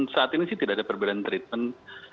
saat ini sih tidak ada perbedaan treatment